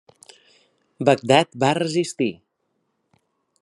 Bagdad va resistir.